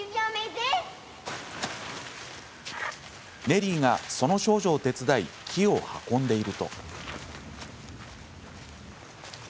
ネリーが、その少女を手伝い木を運んでいると。